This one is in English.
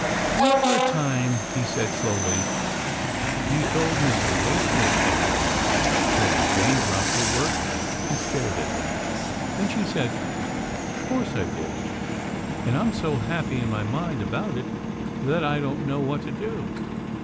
After a time, he said slowly, " You told Mr. Way smith on me." 'Tilda Jane dropped her work, and stared at him. Then she said, " 'Course I did, and I'm so happy in my mind about it that I don't know what to do."